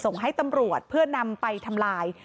ส่งให้ตำรวจเพื่อนำไปทำลาย